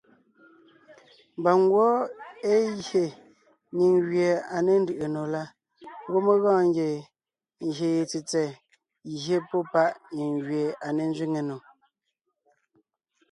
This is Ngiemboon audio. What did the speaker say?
Mba ngwɔ́ é gye nyìŋ gẅie à ne ńdʉʼʉ nò la, ngwɔ́ mé gɔɔn ngie ngyè ye tsètsɛ̀ɛ gye pɔ́ páʼ nyìŋ gẅie à ne ńzẅíŋe nò.